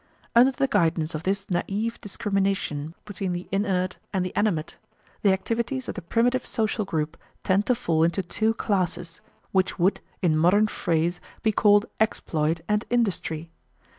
Under the guidance of this naive discrimination between the inert and the animate, the activities of the primitive social group tend to fall into two classes, which would in modern phrase be called exploit and industry.